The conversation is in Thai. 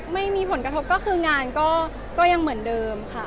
ไม่มีผลกระทบก็คืองานก็ยังเหมือนเดิมค่ะ